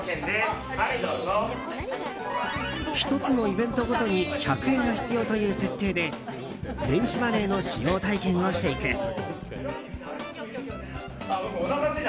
１つのイベントごとに１００円が必要という設定で電子マネーの使用体験をしていく。